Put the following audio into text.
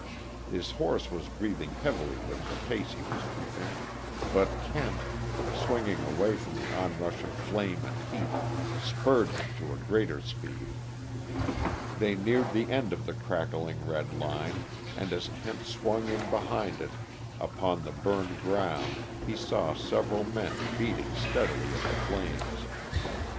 His horse was breathing heavily with the pace he was keeping, but Kent, swinging away from the onrush of flame and heat, spurred him to a greater speed. They neared the end of the crackling, red line, and as Kent swung in behind it upon the burned ground, he saw several men beating steadily at the flames.